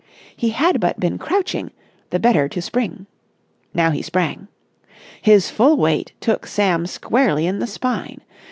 He had but been crouching, the better to spring. Now he sprang. His full weight took Sam squarely in the spine.